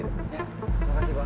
iya terima kasih pak